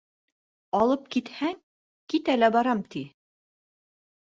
Алып китһәң, китә лә барам, ти.